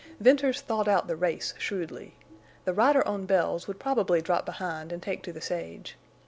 Venters thought out the race shrewdly. The rider on Bells would probably drop behind and take to the sage.